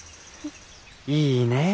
いいねえ！